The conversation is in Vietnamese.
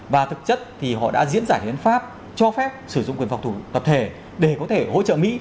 và thực chất thì họ đã diễn giải hiến pháp cho phép sử dụng quyền phòng thủ tập thể để có thể hỗ trợ mỹ